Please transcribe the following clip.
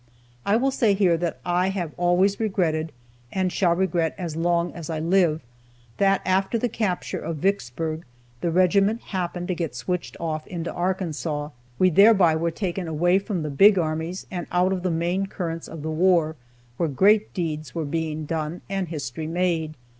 I will say here that I have always regretted, and shall regret as long as I live, that after the capture of Vicksburg, the regiment happened to get switched off into Arkansas. We thereby were taken away from the big armies, and out of the main currents of the war, where great deeds were being done, and history made.